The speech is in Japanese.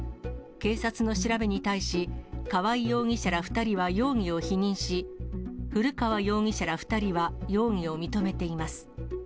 警察の調べに対し、河合容疑者ら２人は容疑を否認し、古川容疑者ら２人は容疑を認めています。